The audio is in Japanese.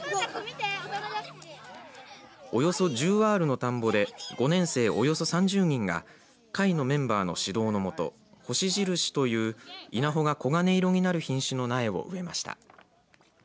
およそ１０アールの田んぼで５年生およそ３０人が会のメンバーの指導のもとほしじるしという稲穂が黄金色になる品種の苗を植えました。